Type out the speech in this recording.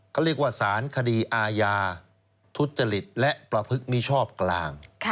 เขาเรียกว่าสารคดีอาญาทุจริตและประพฤติมิชอบกลาง